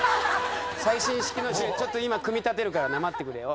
「最新式の銃ちょっと今組み立てるからな待ってくれよ」。